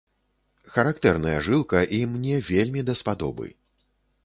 Характэрная жылка, і мне вельмі даспадобы.